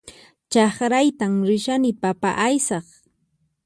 Chakraytan rishani papa aysaq